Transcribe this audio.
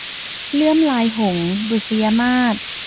เลื่อมลายหงส์ - บุษยมาส